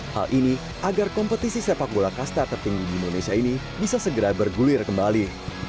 hal ini agar kompetisi sepak bola kasta tertinggi di indonesia ini bisa segera bergulir kembali